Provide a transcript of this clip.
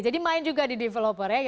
jadi main juga di developer ya